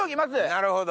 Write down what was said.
なるほど。